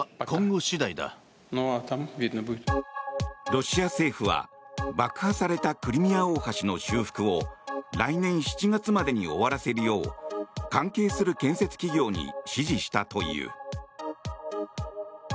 ロシア政府は爆破されたクリミア大橋の修復を来年７月までに終わらせるよう関係する建設企業に指示したという。